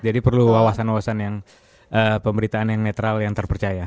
jadi perlu wawasan wawasan yang pemberitaan yang netral yang terpercaya